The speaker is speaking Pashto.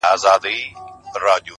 اخلاص د اړیکو قوت ساتي,